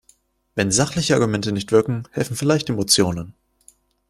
Wenn sachliche Argumente nicht wirken, helfen vielleicht Emotionen.